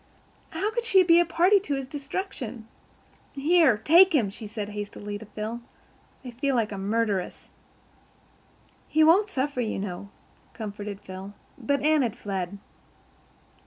How could she be a party to this destruction? "Here, take him," she said hastily to Phil. "I feel like a murderess." "He won't suffer, you know," comforted Phil, but Anne had fled.